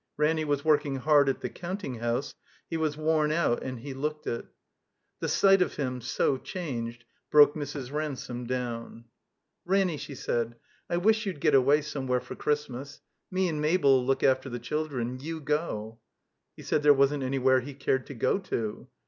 Ranny was working hard at the counting house; he was worn out, and he looked it. The sight of him, so changed, broke Mrs. Ran some down. 305 THE COMBINED MAZE "Ranny," she said, '*I wish you'd get away some where for Christmas. Me and Mabel 'U look after the children. You go." He said there wasn't anywhere, he cared to go to.